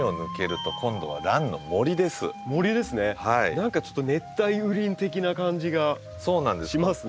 何かちょっと熱帯雨林的な感じがしますね。